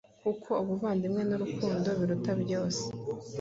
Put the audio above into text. Kuko ubuvandimwe n’urukundo biruta byose